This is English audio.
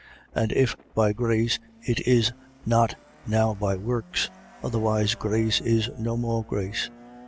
11:6. And if by grace, it is not now by works: otherwise grace is no more grace.